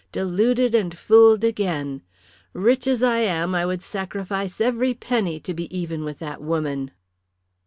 Deluded and fooled again. Rich as I am I would sacrifice every penny to be even with that woman."